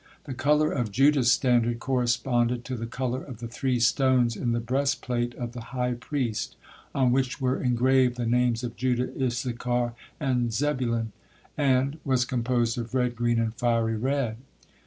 The color of Judah's standard corresponded to the color of the three stones in the breastplate of the high priest, on which were engraved the names of Judah, Issachar, and Zebulun, and was composed of red, green, and fiery red.